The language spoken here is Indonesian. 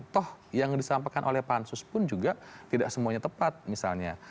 toh yang disampaikan oleh pansus pun juga tidak semuanya tepat misalnya